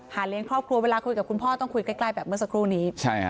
เลี้ยงครอบครัวเวลาคุยกับคุณพ่อต้องคุยใกล้แบบเมื่อสักครู่นี้